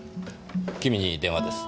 君に電話です。